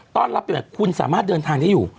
ต้อนรับปีใหม่คุณสามารถเดินทางได้อยู่